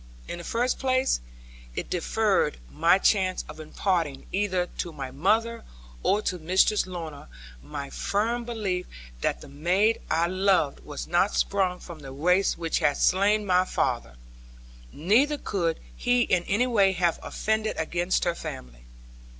In the first place, it deferred my chance of imparting either to my mother or to Mistress Lorna my firm belief that the maid I loved was not sprung from the race which had slain my father; neither could he in any way have offended against her family.